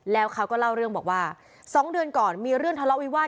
แล้วเขาก็เล่าเรื่องบอกว่า๒เดือนก่อนมีเรื่องทะเลาะวิวาส